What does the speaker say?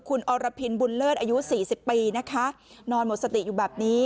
คุณอรพินบุญเลิศอายุสี่สิบปีนะคะนอนหมดสติอยู่แบบนี้